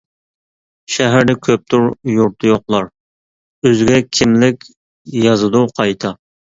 شەھەردە كۆپتۇر يۇرتى يوقلار، ئۆزىگە كىملىك يازىدۇ قايتا.